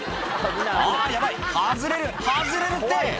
あー、やばい、外れる、外れるって！